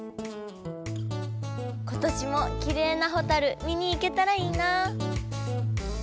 今年もきれいなホタル見に行けたらいいな。